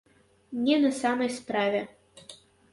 Не, на самай справе.